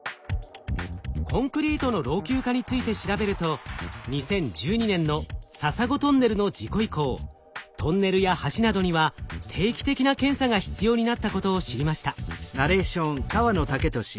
コンクリートの老朽化について調べると２０１２年の笹子トンネルの事故以降トンネルや橋などには定期的な検査が必要になったことを知りました。